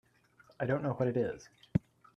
I don't know what it is.